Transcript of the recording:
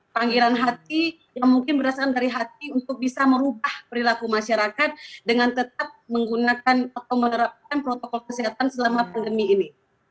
panggilan hati yang mungkin berasal dari hati untuk bisa merubah perilaku masyarakat dengan tetap menggunakan atau menerapkan protokol kesehatan selama pandemi ini